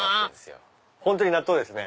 本当に納豆ですね。